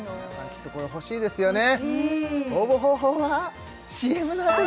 きっとこれ欲しいですよね